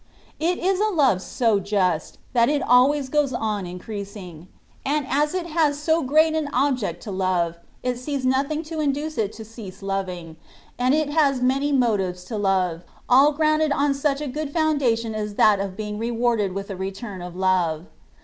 It is a love so just, that it always goes on increasing; and as it has so great an object to love, it sees nothing to induce it to cease loving, and it has many motives to love, all grounded on such a good foundation as that of being rewarded with a return of love.